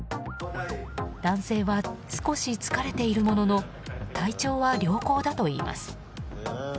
男性は少し疲れているものの体調は良好だといいます。